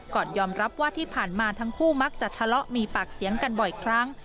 ก่อนยอมรับว่าที่ผ่านมาทั้งคู่มักจะทะเลาะมีปากเสียงกันบ่อยครั้ง